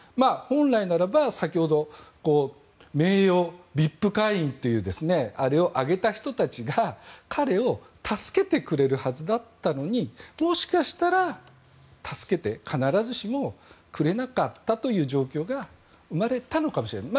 本来ならば、先ほど名誉ＶＩＰ会員というのをあげた人たちが彼を助けてくれるはずだったのにもしかしたら必ずしも助けてくれなかったという状況が生まれたのかもしれない。